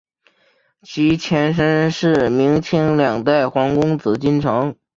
其前身是明清两代皇宫紫禁城。